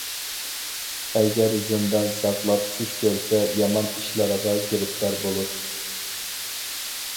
ئەگەر زىندان ساقلاپ چۈش كۆرسە، يامان ئىشلارغا گىرىپتار بولۇر.